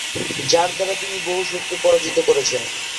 যার দ্বারা তিনি বহু শত্রু পরাজিত করেছেন।